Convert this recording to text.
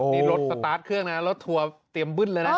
นี่รถสตาร์ทเครื่องนะรถทัวร์เตรียมบึ้นเลยนะ